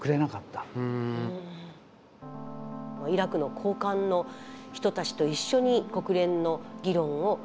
イラクの高官の人たちと一緒に国連の議論を見ている。